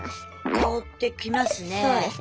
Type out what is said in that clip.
香ってきますね。